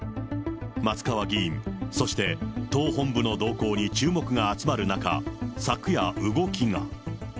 松川議員、そして党本部の動向に注目が集まる中、昨夜、動きが。